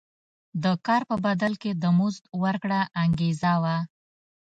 د کار په بدل کې د مزد ورکړه انګېزه وه.